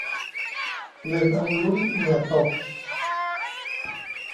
เล่นเอาลุ้นเหงื่อตก